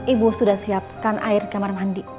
ibu sudah siapkan air kamar mandi